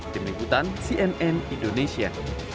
demikian cnn indonesia